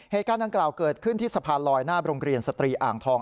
เหตุการณ์ดังกล่าวเกิดขึ้นที่สะพานลอยหน้าโรงเรียนสตรีอ่างทอง